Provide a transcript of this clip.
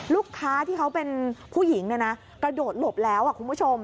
ลูกค้าที่เขาเป็นผู้หญิงเนี่ยนะกระโดดหลบแล้วคุณผู้ชม